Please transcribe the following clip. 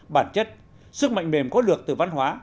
bản chất sức mạnh mềm có được từ văn hóa